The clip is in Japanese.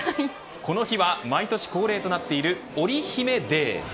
この日は毎年恒例となっているオリ姫デー。